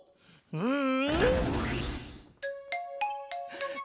うん。